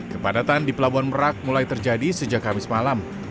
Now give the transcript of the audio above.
kepadatan di pelabuhan merak mulai terjadi sejak kamis malam